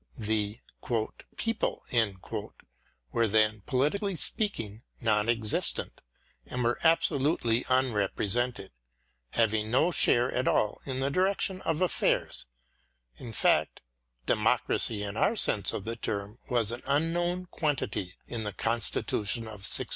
The " people " were then, politically speak ing, non existent and were absolutely unrepre sented, having no share at all in the direction of affairs ; in fact, democracy in our sense of the term was an unknown quantity in the Constitution of 1688.